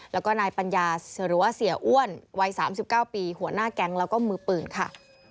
แล้วก็นายปัญญาหรือว่าเสียอ้วนวัย๓๙ปีหัวหน้าแก๊งแล้วก็มือปืนค่ะ